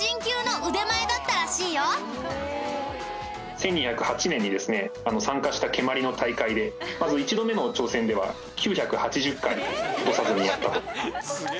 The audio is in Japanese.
１２０８年にですね参加した蹴鞠の大会でまず１度目の挑戦では９８０回落とさずにやったと。